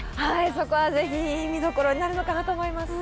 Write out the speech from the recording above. そこは、ぜひ見どころになるのかなと思います。